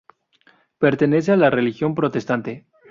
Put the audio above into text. Pertenece a la religión protestante.